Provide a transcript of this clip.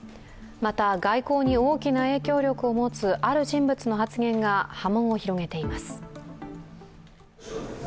また外交に大きな影響力を持つある人物の発言が波紋を広げています。